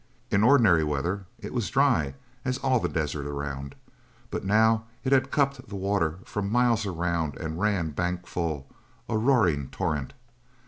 In ordinary weather it was dry as all the desert around, but now it had cupped the water from miles around and ran bank full, a roaring torrent.